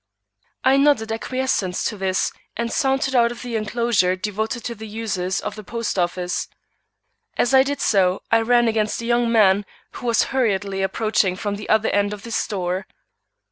I nodded acquiescence to this and sauntered out of the enclosure devoted to the uses of the post office. As I did so I ran against a young man who was hurriedly approaching from the other end of the store.